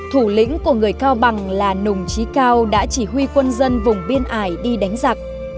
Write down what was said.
thủ lĩnh của người cao bằng là nùng trí cao đã chỉ huy quân dân vùng biên ải đi đánh giặc